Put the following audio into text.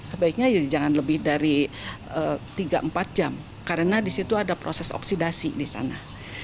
sebaiknya jangan lebih dari tiga empat jam karena di situ ada proses oksidasi di sana